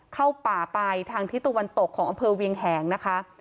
เข้าป่าไปทางทิศตะวันตกของอำเภอเวียงแหงนะคะ